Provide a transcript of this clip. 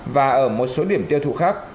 và ở một số điểm tiêu thụ khác